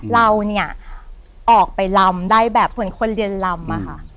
เราเนี่ยออกไปลำได้แบบเหมือนคนเรียนลำอะค่ะ